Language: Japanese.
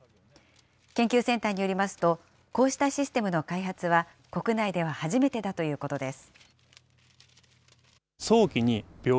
研究センターによりますと、こうしたシステムの開発は、国内では初めてだということです。